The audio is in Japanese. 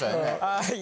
はい。